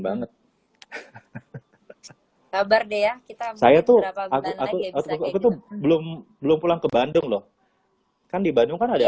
banget kabar deh ya kita saya tuh apa aku tuh belum belum pulang ke bandung loh kan di bandung kan ada